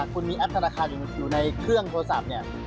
คุณมีแอปธนาคารอยู่ในเครื่องโทรศัพท์เนี่ย